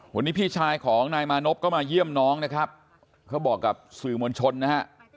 วันนี้พี่ชายของนายมานพก็มาเยี่ยมน้องนะครับเขาบอกกับสื่อมวลชนนะฮะ